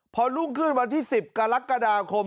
พอรุ่งขึ้นวันที่๑๐กรกฎาคม